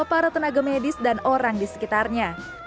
para tenaga medis dan orang di sekitarnya